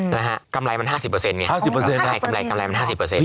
นะฮะกำไรมันห้าสิบเปอร์เซ็นต์ไงห้าสิบเปอร์เซ็นต์ใช่กำไรกำไรมันห้าสิบเปอร์เซ็นต์